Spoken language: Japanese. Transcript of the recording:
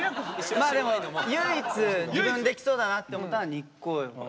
まあでも唯一自分できそうだなって思ったのは日光浴。